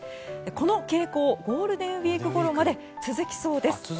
この傾向ゴールデンウィークごろまで続きそうです。